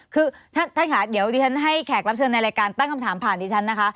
คือท่านค่ะเดี๋ยวดิฉันให้แขกรับเชิญในรายการตั้งคำถามผ่านดิฉันนะคะ